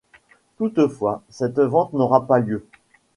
Toutefois, cette vente n'aura pas lieu.